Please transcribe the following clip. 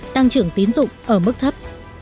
tăng trưởng tín dụng ở mức thấp